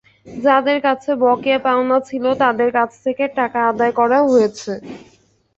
যাদের কাছে বকেয়া পাওনা ছিল তাদের কাছ থেকে টাকা আদায় করা হয়েছে।